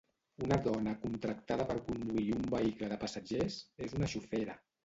Una dona contractada per conduir un vehicle de passatgers és una xofera.